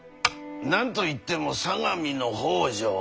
何と言っても相模の北条。